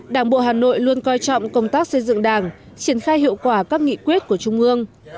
đảng bộ hà nội luôn coi trọng công tác xây dựng đảng triển khai hiệu quả các nghị quyết của trung ương